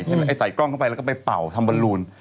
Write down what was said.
ไอ้ใส่กล้องเข้าไปแล้วก็ไปเป่าทำบอลลูน